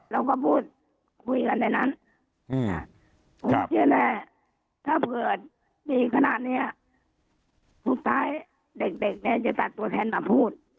เราก็พูดคุยกันในนั้นถ้าเกิดปีขนาดนี้สุดท้ายเด็กเนี่ยจะตัดตัวแทนมาพูด